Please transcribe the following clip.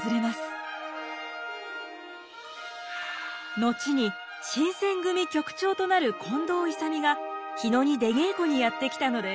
のちに新選組局長となる近藤勇が日野に出稽古にやって来たのです。